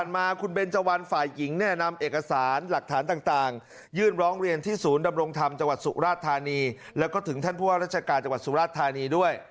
มันไม่สนุกเลย